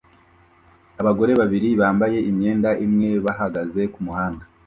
Abagore babiri bambaye imyenda imwe bahagaze kumuhanda